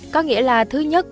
có nghĩa là thứ nhất